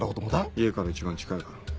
家から一番近いから。